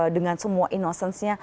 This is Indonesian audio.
dengan semua innocence nya